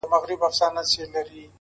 ورته اور هم پاچهي هم یې وطن سو٫